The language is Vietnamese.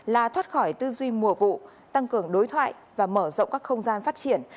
là thoát khỏi tư duy mùa vụ tăng cường đối thoại và mở rộng các không gian phát triển